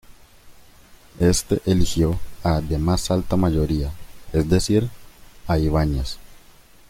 Este eligió a de más alta mayoría, es decir, a Ibáñez.